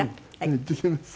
いってきます。